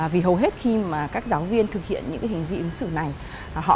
vì hầu hết khi mà các giáo viên thực hiện những hành vi ứng xử này họ không để ý được